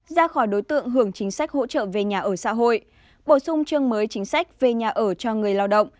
ra khỏi đối tượng hưởng chính sách hỗ trợ về nhà ở xã hội bổ sung chương mới chính sách về nhà ở cho người lao động